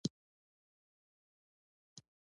سیلانی ځایونه د افغانانو د معیشت سرچینه ده.